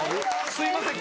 すいません